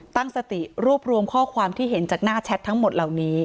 ตั้งสติรวบรวมข้อความที่เห็นจากหน้าแชททั้งหมดเหล่านี้